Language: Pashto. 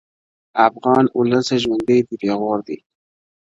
• افغان اولسه ژوند دي پېغور دی -